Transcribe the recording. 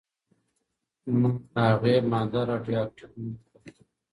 هغې ماده «راډیواکټیف» نوم کړه.